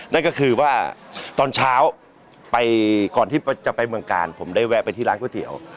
นั่นก็คือว่าตอนเช้าไปก่อนที่จะไปเมืองกาลผมได้แวะไปที่ร้านก๋วยเตี๋ยว